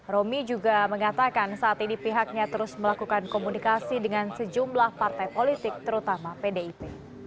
romi juga mengatakan saat ini pihaknya terus melakukan komunikasi dengan sejumlah partai politik terutama pdip